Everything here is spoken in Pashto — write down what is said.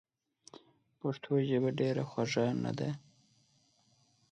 پښتو ژبه ډېره خوږه نده؟!